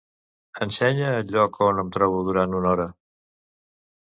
Ensenya el lloc on em trobo durant una hora.